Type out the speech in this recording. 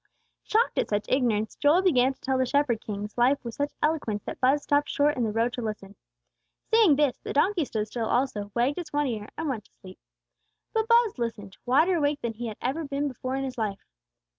Shocked at such ignorance, Joel began to tell the shepherd king's life with such eloquence that Buz stopped short in the road to listen. Seeing this the donkey stood still also, wagged its one ear, and went to sleep. But Buz listened, wider awake than he had ever been before in his life.